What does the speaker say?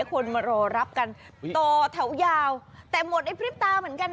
คนมารอรับกันต่อแถวยาวแต่หมดในพริบตาเหมือนกัน